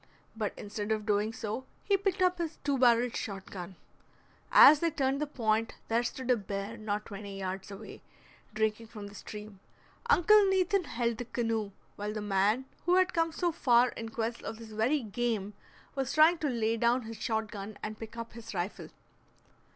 But instead of doing so he picked up his two barreled shot gun. As they turned the point, there stood a bear not twenty yards away, drinking from the stream. Uncle Nathan held the canoe, while the man who had come so far in quest of this very game was trying to lay down his shot gun and pick up his rifle.